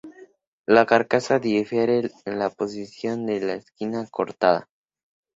La carcasa difiere en la posición de la esquina cortada.